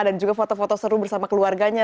dan juga foto foto seru bersama keluarganya